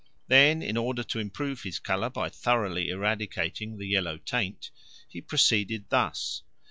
Then in order to improve his colour by thoroughly eradicating the yellow taint, he proceeded thus.